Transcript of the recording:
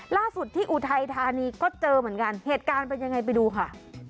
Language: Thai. ล่าสุดที่อุทัยธานีก็เจอเหมือนกันเหตุการณ์เป็นยังไงไปดูค่ะ